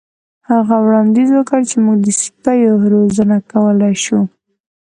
هغه وړاندیز وکړ چې موږ د سپیو روزنه کولی شو